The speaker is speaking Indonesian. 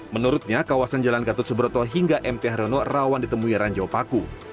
menurutnya kawasan jalan gatot subroto hingga mt haryono rawan ditemui ranjau paku